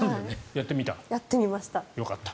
やってみました。